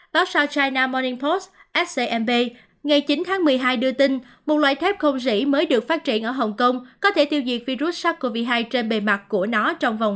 báo south china morning post scmp ngày chín tháng một mươi hai đưa tin một loại thép không rỉ mới được phát triển ở hồng kông có thể tiêu diệt virus sars cov hai trên bệnh viện